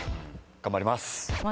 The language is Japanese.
頑張ります。